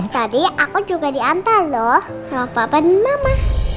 tadi aku juga diantar lho sama papa dan mama